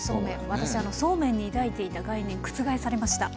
私そうめんに抱いていた概念覆されました。